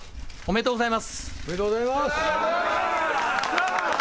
おめでとうございます。